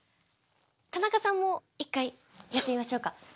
田中さんも一回やってみましょうか。